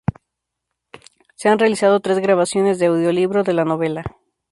Se han realizado tres grabaciones de audio-libro de la novela.